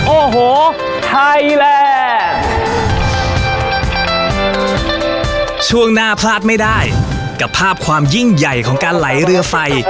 โอ้โหไทยแลนด์ช่วงหน้าพลาดไม่ได้กับภาพความยิ่งใหญ่ของการไหลเรือไฟ